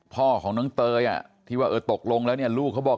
พ่อของน้องเตยที่ว่าเออตกลงแล้วเนี่ยลูกเขาบอก